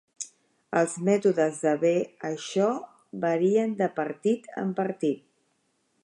Els mètodes de ver això varien de partit en partit.